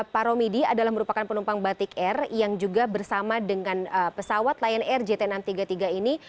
pak romidi adalah merupakan penumpang batik air yang juga bersama dengan pesawat lion air jt enam ratus tiga puluh tiga ini